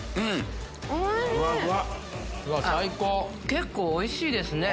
結構おいしいですね。